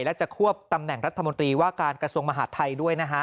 และจะควบตำแหน่งรัฐมนตรีว่าการกระทรวงมหาดไทยด้วยนะฮะ